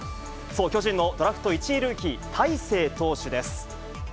そう、巨人のドラフト１位ルーキー、大勢投手です。